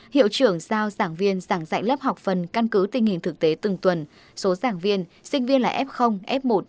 hiệu trưởng giao giảng viên giảng dạy lớp học phần căn cứ tình hình thực tế từng tuần số giảng viên sinh viên là f f một